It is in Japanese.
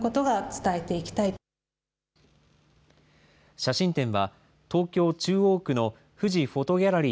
写真展は東京・中央区の富士フォトギャラリー